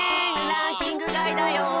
ランキングがいだよ。